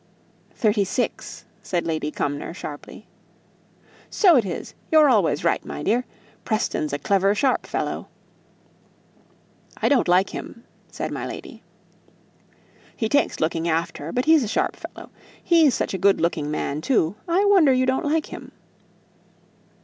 "Thirty six," said Lady Cumnor, sharply. "So it is; you're always right, my dear. Preston's a clever, sharp fellow." "I don't like him," said my lady. "He takes looking after; but he's a sharp fellow. He's such a good looking man, too, I wonder you don't like him."